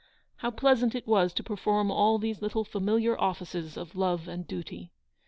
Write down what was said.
How pleasant it was to perform all these little familiar offices of love and duty.